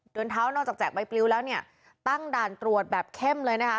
เท้านอกจากแจกใบปลิวแล้วเนี่ยตั้งด่านตรวจแบบเข้มเลยนะคะ